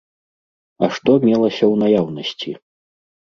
А што мелася ў наяўнасці?